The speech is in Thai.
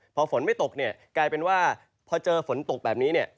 พอฝนไม่ตกกลายเป็นว่าพอเจอฝนตกแบบนี้